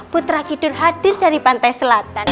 putra kidul hadir dari pantai selatan